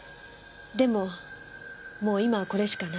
でももう今はこれしかない。